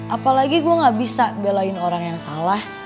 apalagi gue gak bisa belain orang yang salah